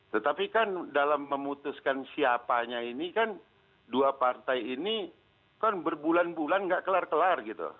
tetapi kan dalam memutuskan siapanya ini kan dua partai ini kan berbulan bulan nggak kelar kelar gitu